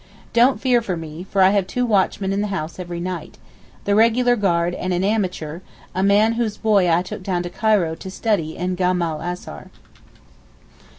Don't fear for me, for I have two watchmen in the house every night—the regular guard and an amateur, a man whose boy I took down to Cairo to study in Gama'l Azhar.